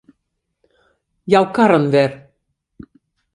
Jou karren wer.